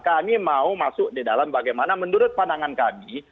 kami mau masuk di dalam bagaimana menurut pandangan kami